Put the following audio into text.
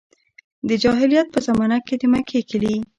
د جاهلیت په زمانه کې د مکې کیلي.